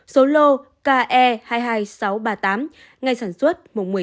số lô ke hai mươi hai nghìn sáu trăm ba mươi tám ngày sản xuất một mươi một mươi hai nghìn hai mươi hai